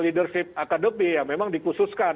leadership academy ya memang dikhususkan